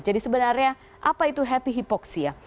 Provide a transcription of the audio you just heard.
jadi sebenarnya apa itu happy hypoxia